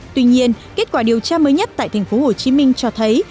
tuy nhiên kết quả điều tra mới nhất tại tp hcm cho thấy